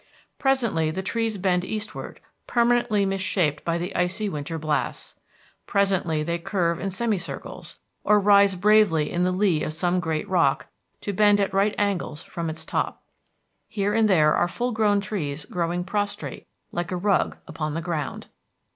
Presently the trees bend eastward, permanently mis shaped by the icy winter blasts. Presently they curve in semi circles, or rise bravely in the lee of some great rock, to bend at right angles from its top. Here and there are full grown trees growing prostrate, like a rug, upon the ground.